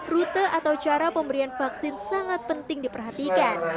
rute atau cara pemberian vaksin sangat penting diperhatikan